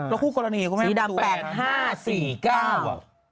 แล้วคู่กรณีก็ไม่มีตัว